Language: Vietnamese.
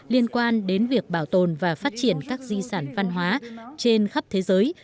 liên quan đến việc bảo tồn và phát triển các di sản văn hóa trên khắp thế giới